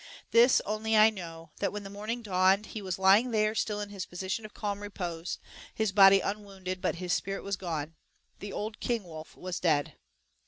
This only I know, that when the morning dawned, he was lying there still in his position of calm repose, his body unwounded, but his spirit was gone the old kingwolf was dead.